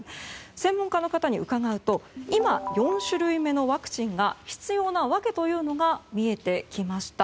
専門家の方に伺うと今、４種類目のワクチンが必要な訳というのが見えてきました。